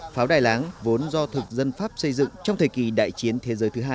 pháo đài láng vốn do thực dân pháp xây dựng trong thời kỳ đại chiến thế giới thứ hai